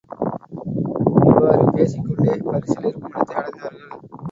இவ்வாறு பேசிக்கொண்டே பரிசல் இருக்குமிடத்தை அடைந்தார்கள்.